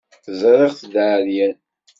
Ẓriɣ-t d aεeryan.